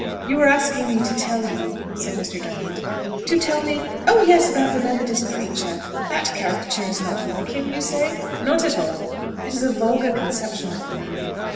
"You were asking me to tell you " said Mr. Diamond. "To tell me ? Oh, yes; about the Methodist preacher. That caricature is not like him, you say?" "Not at all. It is a vulgar conception of the man."